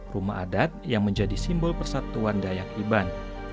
rumah adat yang menjadi simbol persatuan dayak iban